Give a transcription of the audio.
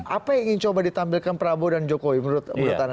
apa yang ingin coba ditampilkan prabowo dan jokowi menurut anda